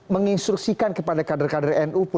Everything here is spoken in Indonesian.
menginstruksikan kepada kader kader nu